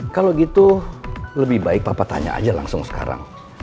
kalau gitu lebih baik papa tanya aja langsung sekarang